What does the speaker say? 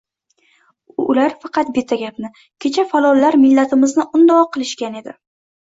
Ular faqat bitta gapni — «kecha falonlar millatimizni undoq qilishgan edi